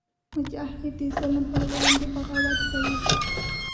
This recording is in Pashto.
مجاهد د ظلم پر وړاندې بغاوت کوي.